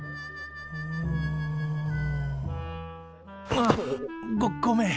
あっごごめん！